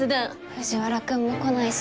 藤原君も来ないし。